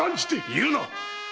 言うな！